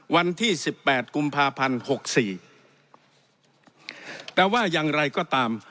วันที่สิบแปดกุมภาพันธ์หกสี่แต่ว่าอย่างไรก็ตาม